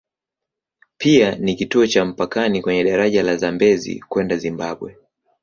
Pia ni kituo cha mpakani kwenye daraja la Zambezi kwenda Zimbabwe.